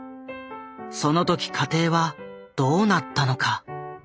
その時家庭はどうなったのか。